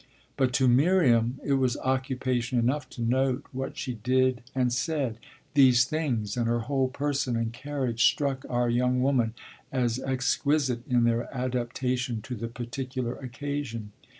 But to Miriam it was occupation enough to note what she did and said: these things and her whole person and carriage struck our young woman as exquisite in their adaptation to the particular occasion.